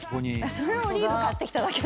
それはオリーブ買ってきただけです。